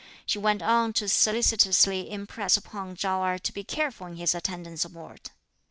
She went on to solicitously impress upon Chao Erh to be careful in his attendance abroad.